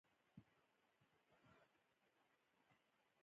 دا واقعاً خندوونکې وه چې هغه د موبوتیک تقلید کاوه.